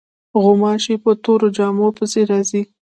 غوماشې په تورو جامو پسې راځي.